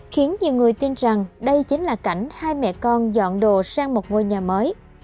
khiến nhiều người tin rằng đây chính là cảnh hai mẹ con dọn đồ sang một ngôi nhà mới